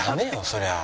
そりゃ。